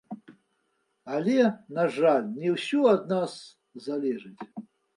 Але, на жаль, не ўсё ад нас залежыць.